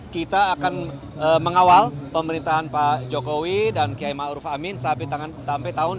kita akan mengawal pemerintahan pak jokowi dan kiai ma'ruf amin sampai tangan sampai tahun dua ribu dua puluh empat